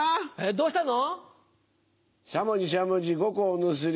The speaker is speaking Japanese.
どうしたの？